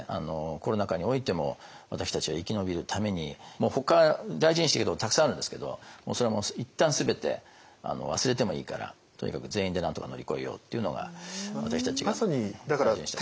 コロナ禍においても私たちが生き延びるためにもうほか大事にしてきたことたくさんあるんですけどそれはもう一旦全て忘れてもいいからとにかく全員でなんとか乗り越えようっていうのが私たちが大事にしてきたことです。